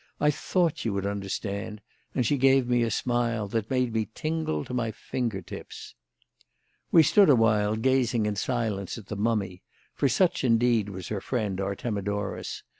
I thought you would understand," and she gave me a smile that made me tingle to my finger tips. We stood awhile gazing in silence at the mummy for such, indeed, was her friend Artemidorus.